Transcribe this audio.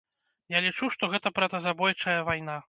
Я лічу, што гэта братазабойчая вайна.